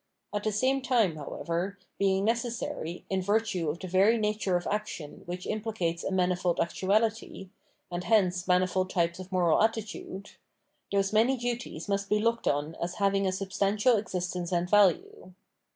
At the same time, however, being necessary, in virtue of the very nature of action which implicates a manifold actuality, and hence manifold tjrpes of moral attitude, those many duties must be looked on as having a substantial existence and value.